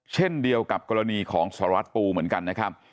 เช่นเดียวกับกรณีของสารวัตรปูเหมือนกันนะครับ